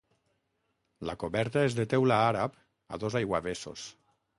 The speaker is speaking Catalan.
La coberta és de teula àrab a dos aiguavessos.